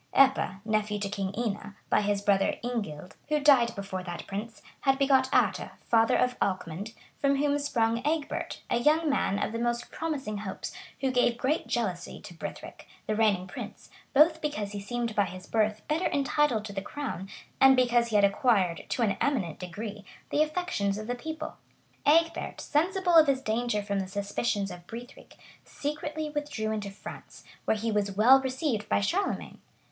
Eoppa, nephew to King Ina, by his brother Ingild, who died before that prince, had begot Eata, father to Alchmond, from whom sprung Egbert,[*] a young man of the most promising hopes, who gave great jealousy to Brithric, the reigning prince, both because he seemed by his birth better entitled to the crown, and because he had acquired, to an eminent degree, the affections of the people. Egbert, sensible of his danger from the suspicions of Brithric, secretly withdrew into France;[] where he was well received by Charlemagne.